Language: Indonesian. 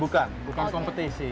bukan bukan kompetisi